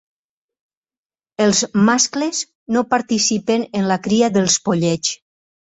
Els mascles no participen en la cria dels pollets.